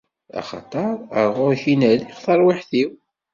Axaṭer ar ɣur-k i n-rriɣ tarwiḥt-iw!